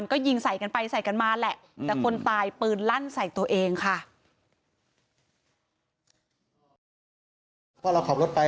ต้องตรงหน้า๑๐นัก